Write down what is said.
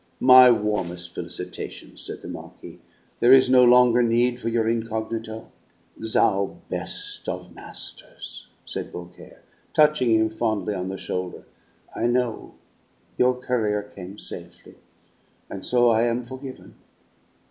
"My warmest felicitations," said the Marquis. "There is no longer need for your incognito." "Thou best of masters!" said Beaucaire, touching him fondly on the shoulder. "I know. Your courier came safely. And so I am forgiven!